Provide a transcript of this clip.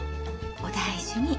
お大事に。